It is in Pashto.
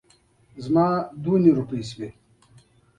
تقوا نيک عمل د ښه او لووالي معیار دي په اسلام کي